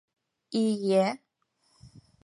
Ие.